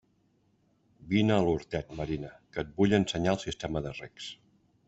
Vine a l'hortet, Marina, que et vull ensenyar el sistema de recs.